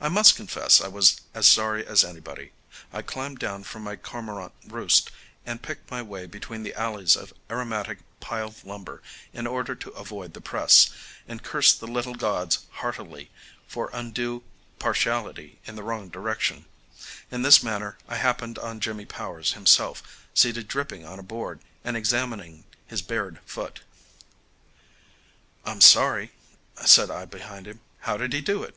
I must confess I was as sorry as anybody. I climbed down from my cormorant roost, and picked my way between the alleys of aromatic piled lumber in order to avoid the press, and cursed the little gods heartily for undue partiality in the wrong direction. In this manner I happened on Jimmy Powers himself seated dripping on a board and examining his bared foot. "I'm sorry," said I behind him. "How did he do it?"